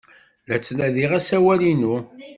La ttnadiɣ asawal-inu.